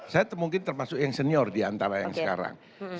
saya mungkin termasuk yang senior di antara yang sekarang